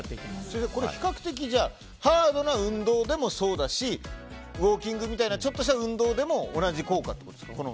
先生、比較的ハードな運動でもそうだしウォーキングとかのちょっとした運動でも同じ効果ってことですか？